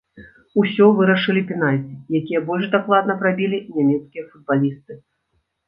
Усё вырашылі пенальці, якія больш дакладна прабілі нямецкія футбалісты.